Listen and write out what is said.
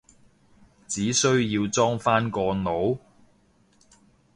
只需要裝返個腦？